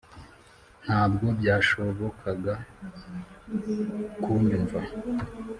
ntabwo byashobokaga kunyumva